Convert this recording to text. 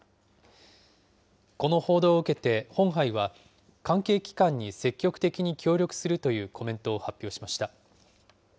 この報道を受けてホンハイは、関係機関に積極的に協力するというコメントを発表しました。